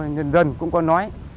nhân dân cũng có nói